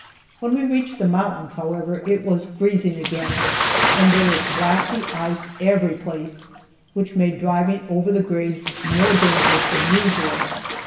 When we reached the mountains, however, it was freezing again, and there was glassy ice every place, which made driving over the grades more dangerous than usual.